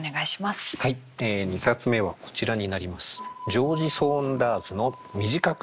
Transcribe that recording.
はい２冊目はこちらになります。